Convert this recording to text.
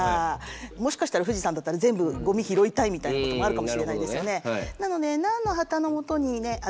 もしかしたら富士山だったら全部ゴミ拾いたいみたいなこともあるかもしれないですよね。